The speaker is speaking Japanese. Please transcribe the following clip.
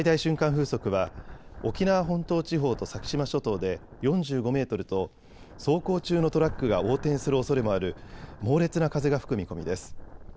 風速は沖縄本島地方と先島諸島で４５メートルと走行中のトラックが横転するおそれもある猛烈な風が吹く見込みです。